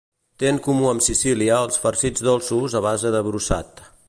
Té en comú amb Sicília els farcits dolços a base de brossat.